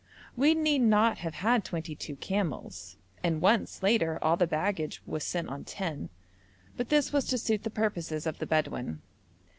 We need not have had twenty two camels, and once, later, all the baggage was sent on ten, but this was to suit the purposes of the Bedouin.